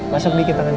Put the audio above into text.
masuk dikit tangannya